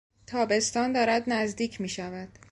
تابستان دارد نزدیک میشود.